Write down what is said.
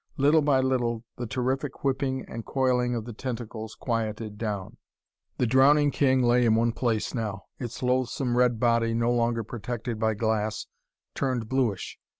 Little by little the terrific whipping and coiling of the tentacles quieted down. The drowning king lay in one place now; its loathsome red body, no longer protected by glass, turned bluish.